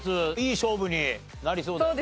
いい勝負になりそうですね。